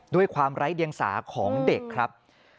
ด้วยความไร้เดียงสาของเด็กครับ